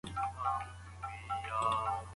خلګ بايد د خپل پاچا درناوی وکړي.